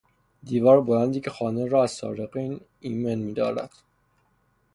دیوار بلندی که خانه را از سارقین ایمن میدارد